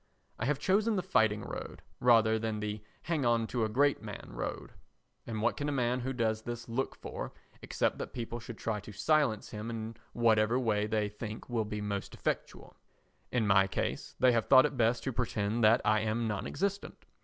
I have chosen the fighting road rather than the hang on to a great man road, and what can a man who does this look for except that people should try to silence him in whatever way they think will be most effectual? In my case they have thought it best to pretend that I am non existent.